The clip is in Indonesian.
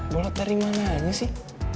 bolot dari mana aja sih